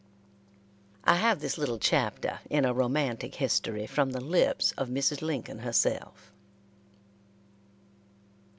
I have this little chapter in a romantic history from the lips of Mrs. Lincoln herself.